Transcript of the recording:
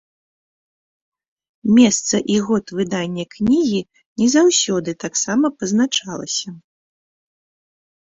Месца і год выдання кнігі не заўсёды таксама пазначалася.